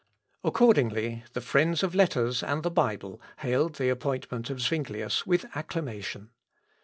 Accordingly, the friends of letters and the Bible hailed the appointment of Zuinglius with acclamation.